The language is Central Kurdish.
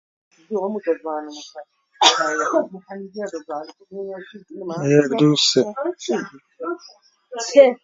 دەیانگوت هەژار نایەتەوە شۆڕش